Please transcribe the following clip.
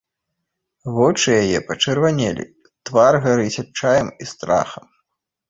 Вочы яе пачырванелі, твар гарыць адчаем і страхам.